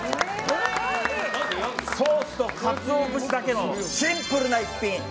ソースとカツオ節だけのシンプルな一品。